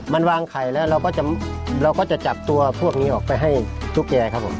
มันวางไข่แล้วเราก็จะจับตัวพวกนี้ออกไปให้ตุ๊กแกครับผม